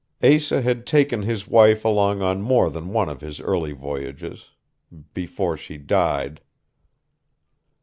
Asa had taken his wife along on more than one of his early voyages ... before she died....